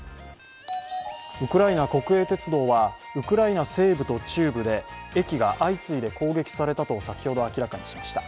ウクライナ国営鉄道はウクライナ西部と中部で駅が相次いで攻撃されたと先ほど明らかにしました。